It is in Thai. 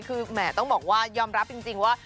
คือแหมต้องบอกว่ายอมรับจริงว่า